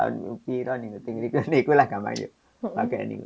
mungkin yang tidak kiri dengan kebaikan lainnya